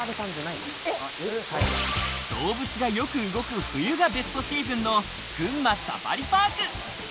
動物がよく動く冬がベストシーズンの群馬サファリパーク。